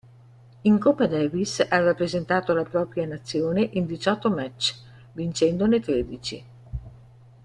In Coppa Davis ha rappresentato la propria nazione in diciotto match, vincendone tredici.